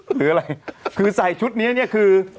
หรืออะไรคือใส่ชุดนี้คือ